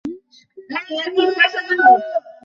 তোমরা তাহলে জানতে চাও তোমাদের ইএসপি আছে কি না?